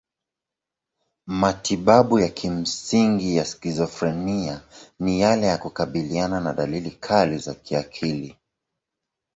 Matibabu ya kimsingi ya skizofrenia ni yale ya kukabiliana na dalili kali za kiakili.